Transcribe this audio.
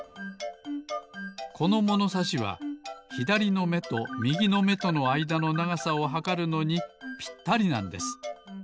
このものさしはひだりのめとみぎのめとのあいだのながさをはかるのにぴったりなんです。